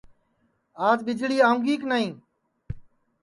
آج ٻجݪی آؤںگی کے نائی